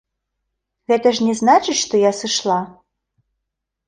Гэта ж не значыць, што я сышла.